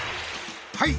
はい。